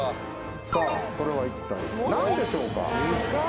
さあそれは一体何でしょうか？